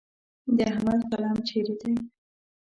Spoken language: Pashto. د احمد قلم چیرې دی؟